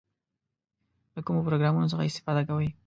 د کومو پروګرامونو څخه استفاده کوئ؟